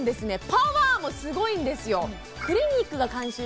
パワーもすごいんですよ